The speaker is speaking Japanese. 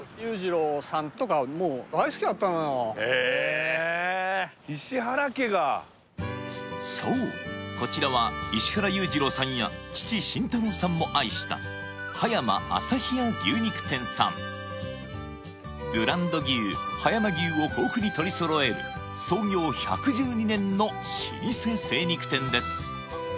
それこそへえ石原家がそうこちらは石原裕次郎さんや父慎太郎さんも愛した葉山旭屋牛肉店さんブランド牛葉山牛を豊富に取り揃える創業１１２年の老舗精肉店です